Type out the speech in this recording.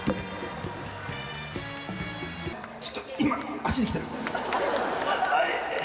ちょっと今、足に来てる。